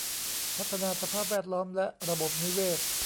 พัฒนาสภาพแวดล้อมและระบบนิเวศ